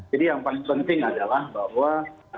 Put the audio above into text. jadi yang paling penting adalah bahwa